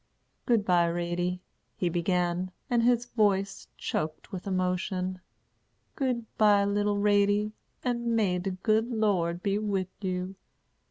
"Good by, Ratie," he began, and his voice choked with emotion; "good by, little Ratie, and may de good Lord be wid you.